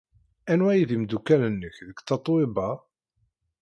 Anwa ay d imeddukal-nnek deg Tatoeba?